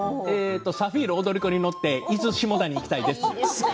サフィール踊り子に乗って伊豆、下田に行きたいです。